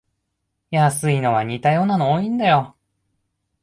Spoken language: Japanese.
安いのは似たようなの多いんだよ